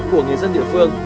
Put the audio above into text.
của người dân địa phương